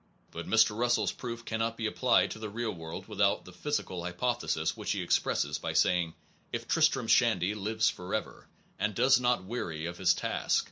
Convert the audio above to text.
But Mr. Russell s proof cannot be applied to the real world without the physical hypothesis which he expresses by saying: If Tristram Shandy lives forever, and does not weary of his task